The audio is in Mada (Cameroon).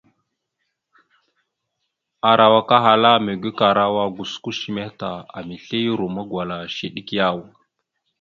Arawak ahala vvaɗ : mege karawa gosko shəmeh ta, amesle ya romma gwala shew ɗek yaw ?